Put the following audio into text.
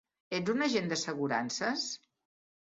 Ets un agent d'assegurances?